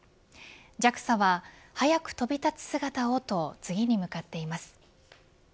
ＪＡＸＡは早く飛び立つ姿をと次に向かっています。